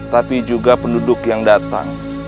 tapi juga penduduk yang datang